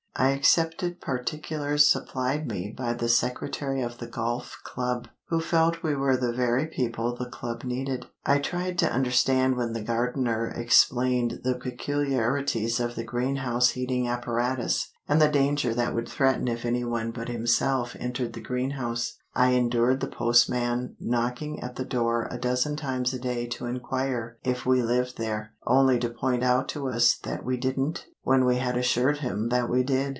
I accepted particulars supplied me by the secretary of the Golf Club, who felt we were the very people the club needed. I tried to understand when the gardener explained the peculiarities of the greenhouse heating apparatus, and the danger that would threaten if anyone but himself entered the greenhouse. I endured the postman knocking at the door a dozen times a day to inquire if we lived there, only to point out to us that we didn't when we had assured him that we did.